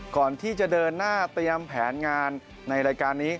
ก่อนที่จะเดินหน้าเตรียมแผนงานในรายการนี้